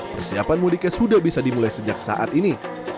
persiapan mudiknya sudah bisa dimulai sejak saat ini